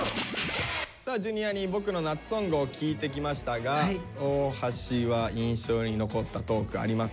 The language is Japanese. さあＪｒ．に「ボクの夏ソング」を聞いてきましたが大橋は印象に残ったトークありますか？